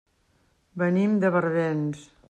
Venim de Barbens.